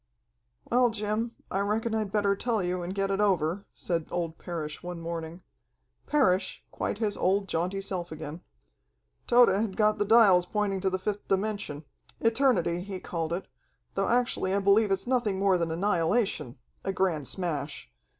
"Well, Jim, I reckon I'd better tell you and get it over," said old Parrish one morning Parrish, quite his old, jaunty self again. "Tode had got the dials pointing to the fifth dimension eternity, he called it, though actually I believe it's nothing more than annihilation, a grand smash.